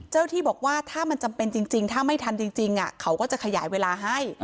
ที่บอกว่าถ้ามันจำเป็นจริงถ้าไม่ทันจริงเขาก็จะขยายเวลาให้